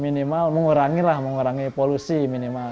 minimal mengurangi lah mengurangi polusi minimal